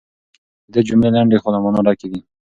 د ده جملې لنډې خو له مانا ډکې دي.